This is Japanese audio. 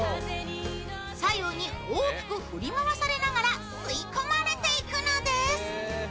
左右に大きく振り回されながら吸い込まれていくのです。